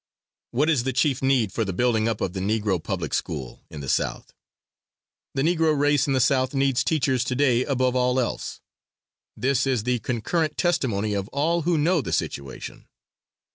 What is the chief need for the building up of the Negro public school in the South? The Negro race in the South needs teachers to day above all else. This is the concurrent testimony of all who know the situation.